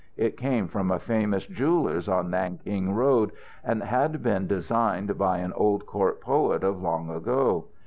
It came from a famous jeweller's on Nanking Road, and had been designed by an old court poet of long ago.